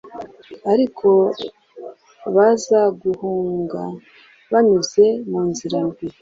ariko bazaguhunga banyuze mu nzira ndwi.